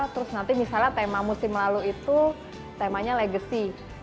terus nanti misalnya tema musim lalu itu temanya legacy